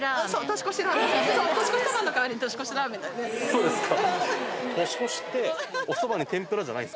そうですか。